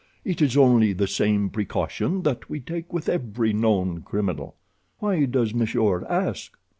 It is only the same precaution that we take with every known criminal. Why does monsieur ask?"